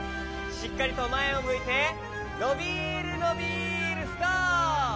しっかりとまえをむいてのびるのびるストップ！